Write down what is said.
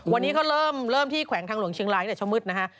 วันนี้เขาเริ่มที่แขวงทางหลวงเชียงรายตั้งแต่เช้ามืดนะฮะ